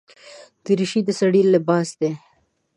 دریشي د سړي لباس دی.